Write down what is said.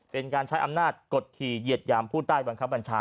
เป็นการใช้อำนาจกฎขี่เหยียดยามผู้ใต้บังคับบัญชา